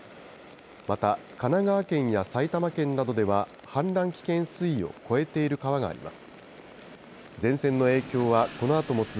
また神奈川県や埼玉県などでは氾濫危険水位を超えている川があります。